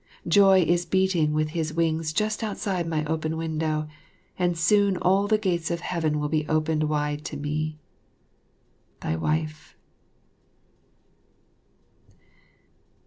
Joy is beating with his wings just outside my open window, and soon all the gates of Heaven will be opened wide to me. Thy Wife.